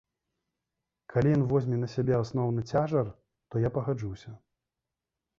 Калі ён возьме на сябе асноўны цяжар, то я пагаджуся.